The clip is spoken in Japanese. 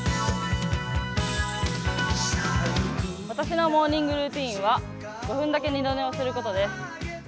私のモーニングルーチンは５分だけ二度寝をすることです。